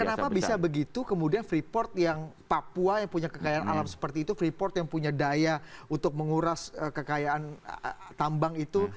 kenapa bisa begitu kemudian freeport yang papua yang punya kekayaan alam seperti itu freeport yang punya daya untuk menguras kekayaan tambang itu